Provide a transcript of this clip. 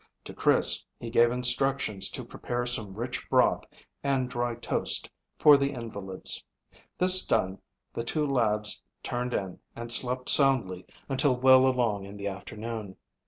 To Chris he gave instructions to prepare some rich broth and dry toast for the invalids. This done, the two lads turned in and slept soundly until well along in the afternoon.